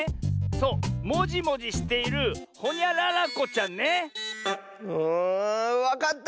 そうもじもじしているほにゃららこちゃんね。んわかった！